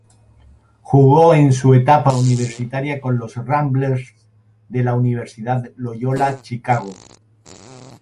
Jugó en su etapa universitaria con los "Ramblers" de la Universidad Loyola Chicago.